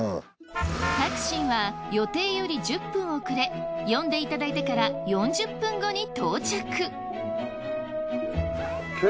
タクシーは予定より１０分遅れ呼んでいただいてから４０分後に到着。